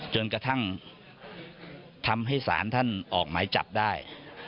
จนกระทั่งทำให้สารท่านออกหมายจับได้